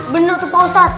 bener tuh pak ustadz